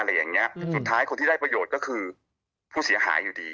สุดท้ายคนที่ได้ประโยชน์ก็คือผู้เสียหายอยู่ดี